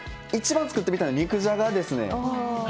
一番作ってみたいの肉じゃがですね。